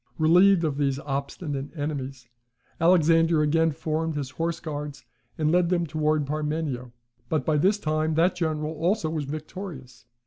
Relieved of these obstinate enemies, Alexander again formed his horse guards, and led them towards Parmenio; but by this time that general also was victorious.